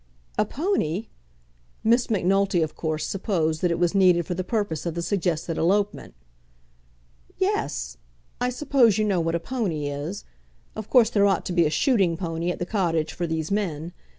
"A pony!" Miss Macnulty of course supposed that it was needed for the purpose of the suggested elopement. "Yes; I suppose you know what a pony is? Of course there ought to be a shooting pony at the cottage for these men.